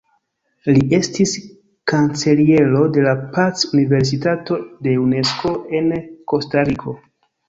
Li estis kanceliero de la "Pac-Universitato" de Unesko en Kostariko.